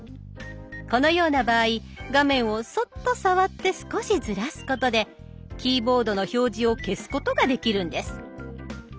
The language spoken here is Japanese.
このような場合画面をそっと触って少しずらすことでキーボードの表示を消すことができるんです。